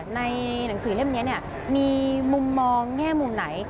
ในหนังสือเล่มนี้มีมุมมองแง่มุมไหน